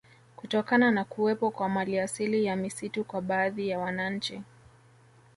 Kutokana na kuwepo kwa maliasili ya misitu kwa baadhi ya wananchi